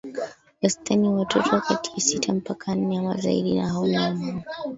wastani watoto kati ya sita mpaka nane ama zaidi na hao ni wa mama